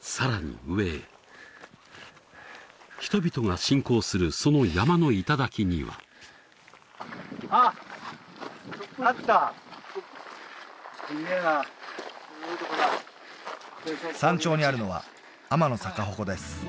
さらに上へ人々が信仰するその山の頂には山頂にあるのは天の逆鉾です